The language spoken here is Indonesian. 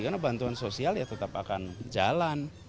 karena bantuan sosial tetap akan jalan